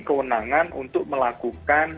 kewenangan untuk melakukan